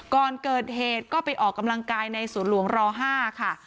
ก่อนเกิดเหตุก็ไปออกกำลังกายในสวนหลวงร๕ค่ะ